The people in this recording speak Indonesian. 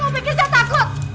kau pikir saya takut